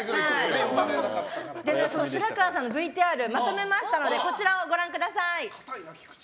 白河さんのＶＴＲをまとめましたので、ご覧ください。